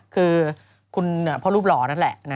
คือคุณพ่อรูปหล่อนั่นแหละ